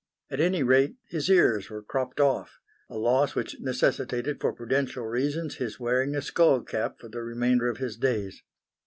At any rate his ears were cropped off, a loss which necessitated for prudential reasons his wearing a skullcap for the remainder of his days.